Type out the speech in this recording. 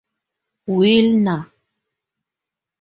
Willner.